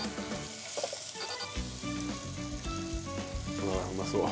うわうまそう。